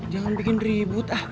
jangan bikin ribut